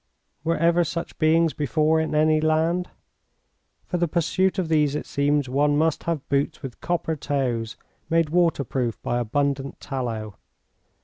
Were ever such beings before in any land? For the pursuit of these, it seems, one must have boots with copper toes, made waterproof by abundant tallow.